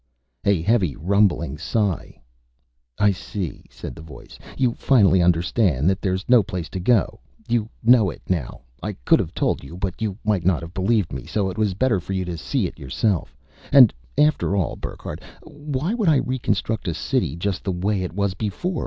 A heavy rumbling sigh. "I see," said the voice. "You finally understand. There's no place to go. You know it now. I could have told you, but you might not have believed me, so it was better for you to see it yourself. And after all, Burckhardt, why would I reconstruct a city just the way it was before?